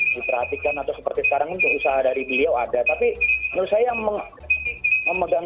diperhatikan atau seperti sekarang untuk usaha dari beliau ada tapi menurut saya memegang